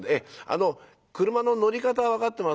あの俥の乗り方は分かってます？」。